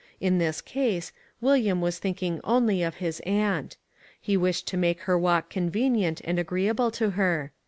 In this case, William was thinking only of his aunt. He wished to make her walk convenient and agreeable to her.